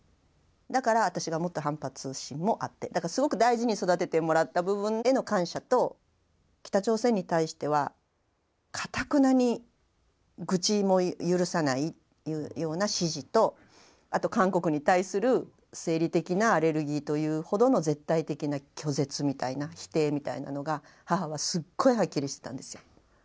だから私がもっと反発心もあってだからすごく大事に育ててもらった部分への感謝と北朝鮮に対してはかたくなに愚痴も許さないというような支持とあと韓国に対する生理的なアレルギーというほどの絶対的な拒絶みたいな否定みたいなのが母はすっごいはっきりしてたんですよ。